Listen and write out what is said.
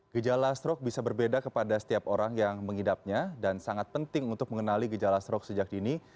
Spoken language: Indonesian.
gejala stroke bisa berbeda kepada setiap orang yang mengidapnya dan sangat penting untuk mengenali gejala stroke sejak dini